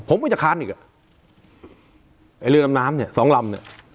ผมก็จะค้านอีกอ่ะไอ้เรือดำน้ำเนี่ยสองลำเนี้ย